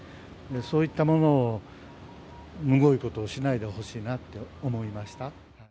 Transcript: そういったものを、むごいことをしないでほしいなって思いました。